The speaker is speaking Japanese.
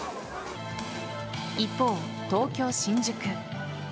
一方、東京・新宿。